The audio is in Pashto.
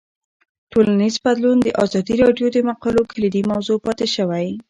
ټولنیز بدلون د ازادي راډیو د مقالو کلیدي موضوع پاتې شوی.